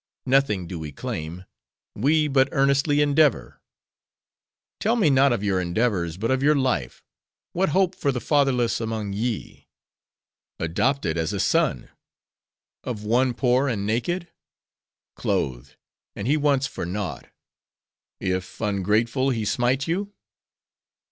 "Nothing do we claim: we but earnestly endeavor." "Tell me not of your endeavors, but of your life. What hope for the fatherless among ye?" "Adopted as a son." "Of one poor, and naked?" "Clothed, and he wants for naught." "If ungrateful, he smite you?"